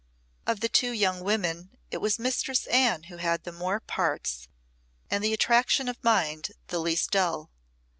Of the two young women, it was Mistress Anne who had the more parts, and the attraction of the mind the least dull.